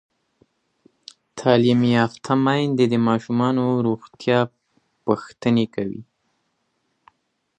تعلیم یافته میندې د ماشومانو د روغتیا پوښتنې کوي.